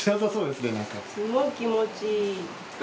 すごく気持ちいい。